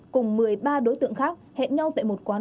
cùng một mươi ba đối tượng khác hẹn nhau tại một quán